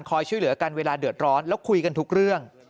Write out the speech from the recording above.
ช่วยเหลือกันเวลาเดือดร้อนแล้วคุยกันทุกเรื่อง